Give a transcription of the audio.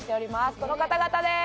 この方々です。